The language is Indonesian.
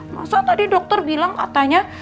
masa tadi dokter bilang katanya